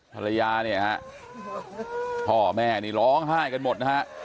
ภรรยาเนี่ยฮะพ่อแม่นี่ร้องไห้กันหมดนะฮะ